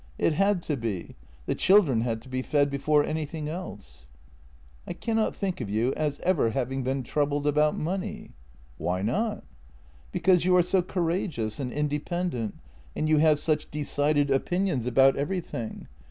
It had to be — the chil dren had to be fed before anything else." " I cannot think of you as ever having been troubled about money." " Why not? "" Because you are so courageous and independent, and you have such decided opinions about everything.